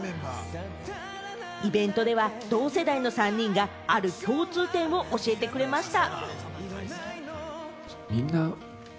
イベントでは、同世代の３人が、ある共通点を教えてくれました。